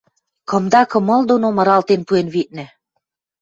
кымда кымыл доно мыралтен пуэн, виднӹ.